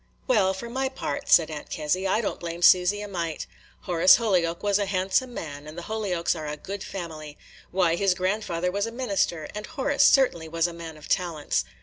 "Well, for my part," said Aunt Kezzy, "I don't blame Susy a mite. Horace Holyoke was a handsome man, and the Holyokes are a good family. Why, his grandfather was a minister, and Horace certainly was a man of talents.